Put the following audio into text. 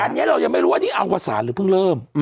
แต่อันนี้เรายังไม่รู้ว่าอันนี้เอาวศาลหรือเพิ่งเริ่ม